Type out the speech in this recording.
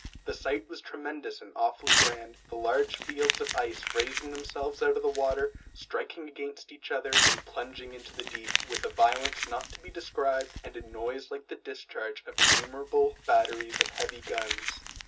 The sight was tremendous and awfully grand; the large fields of ice raising themselves out of the water, striking against each other, and plunging into the deep, with a violence not to be described, and a noise like the discharge of innumerable batteries of heavy guns.